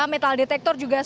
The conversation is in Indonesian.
metal detektor juga sudah